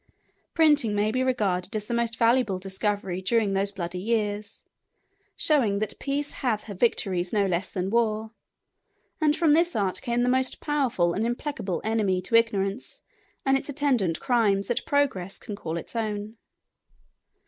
Printing may be regarded as the most valuable discovery during those bloody years, showing that Peace hath her victories no less than War, and from this art came the most powerful and implacable enemy to Ignorance and its attendant crimes that Progress can call its own.